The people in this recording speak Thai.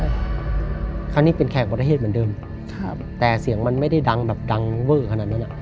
ดังขึ้นคราวนี้เป็นแขกประเทศเหมือนเดิมแต่เสียงมันไม่ได้ดังแบบดังเวอร์ขนาดนั้น